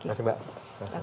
terima kasih mbak